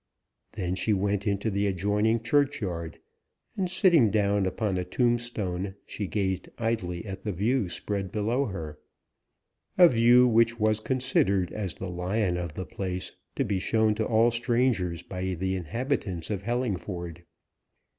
Then she went into the adjoining churchyard, and sitting down upon a tombstone, she gazed idly at the view spread below her a view which was considered as the lion of the place, to be shown to all strangers by the inhabitants of Hellingford.